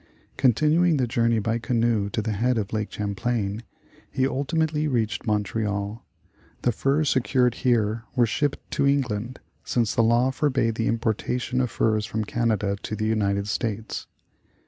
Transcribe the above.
Con tinuing the journey by canoe to the head of Lakq Champlain, he ultimately reached Montreal. The furs secured here were shipped to England, since the law forbade the importation of furs from Canada to the United States.